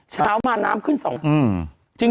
เช้ามาน้ำขึ้น๒นาที